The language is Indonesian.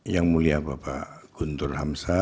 yang mulia bapak kutub